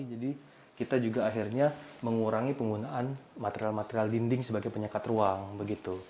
jadi kita juga akhirnya mengurangi penggunaan material material dinding sebagai penyekat ruang begitu